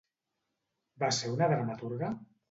Va ser una dramaturga?